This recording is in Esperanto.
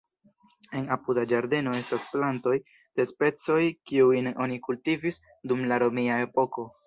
En apuda ĝardeno estas plantoj de specoj kiujn oni kultivis dum la romia epoko.